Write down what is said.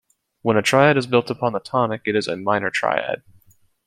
When a triad is built upon the tonic, it is a minor triad.